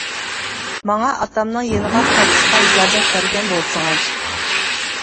ماڭا ئاتامنىڭ يېنىغا قايتىشقا ئىجازەت بەرگەن بولسىڭىز.